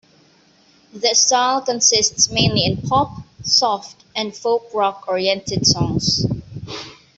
Their style consists mainly in pop, soft and folk rock oriented songs.